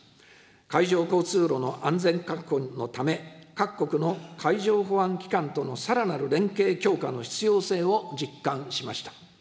海上交通路の安全確保のため、各国の海上保安機関とのさらなる連携強化の必要性を実感しました。